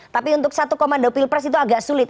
tapi untuk satu komando pilpres itu agak sulit